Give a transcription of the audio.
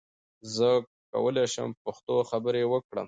زه کولی سم چې په پښتو خبرې وکړم.